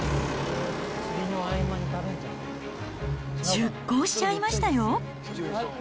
出航しちゃいましたよ。